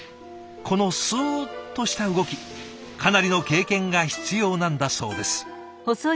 このすっとした動きかなりの経験が必要なんだそうです。